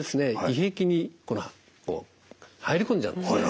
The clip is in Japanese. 胃壁に入り込んじゃうんですね。